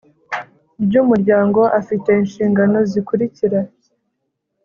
Ry Umutungo Afite Inshingano Zikurikira